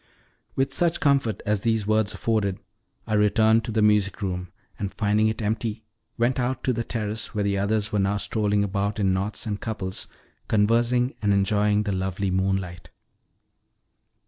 With such comfort as these words afforded I returned to the music room, and, finding it empty, went out to the terrace, where the others were now strolling about in knots and couples, conversing and enjoying the lovely moonlight.